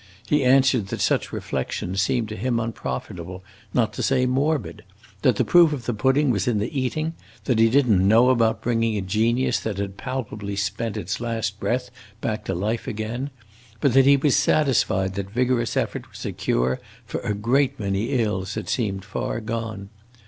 He answered that such reflections seemed to him unprofitable, not to say morbid; that the proof of the pudding was in the eating; that he did n't know about bringing a genius that had palpably spent its last breath back to life again, but that he was satisfied that vigorous effort was a cure for a great many ills that seemed far gone.